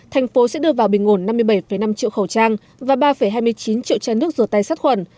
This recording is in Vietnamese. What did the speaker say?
thành phố sẽ đưa vào bình ổn năm mươi bảy năm triệu khẩu trang và ba hai mươi chín triệu chai nước rửa tay sát khuẩn